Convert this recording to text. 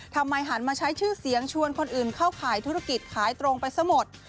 หันมาใช้ชื่อเสียงชวนคนอื่นเข้าขายธุรกิจขายตรงไปซะหมด